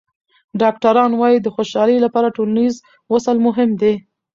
ډاکټران وايي د خوشحالۍ لپاره ټولنیز وصل مهم دی.